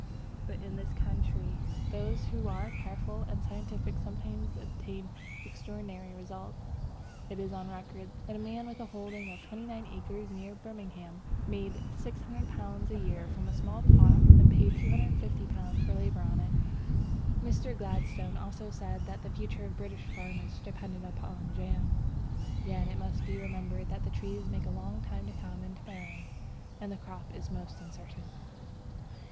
But in this country those who are careful and scientific sometimes obtain extraordinary results. It is on record that a man with a holding of twenty nine acres near Birmingham made £600 a year from this small plot and paid £250 for labour on it. Journal Royal Horticultural Society, vol. 27, part iv. Mr. Gladstone also said that the future of British farmers depended upon jam. Yet it must be remembered that the trees take a long time to come into bearing, and the crop is most uncertain.